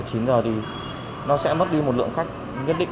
chín giờ thì nó sẽ mất đi một lượng khách nhất định